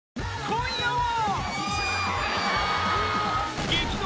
今夜は！